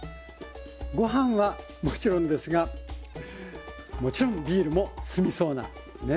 ごはんはもちろんですがもちろんビールも進みそうなね